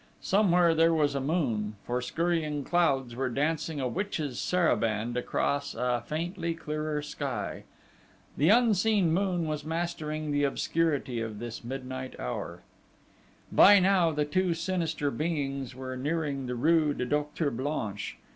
Somewhere there was a moon, for scurrying clouds were dancing a witches' saraband across a faintly clearer sky. The unseen moon was mastering the obscurity of this midnight hour. By now, the two sinister beings were nearing the rue du Docteur Blanche.